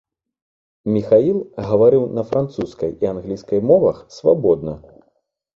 Міхаіл гаварыў на французскай і англійскай мовах свабодна.